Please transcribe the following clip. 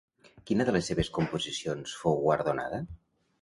Quina de les seves composicions fou guardonada?